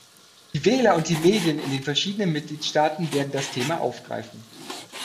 Die Wähler und die Medien in den verschiedenen Mitgliedstaaten werden das Thema aufgreifen.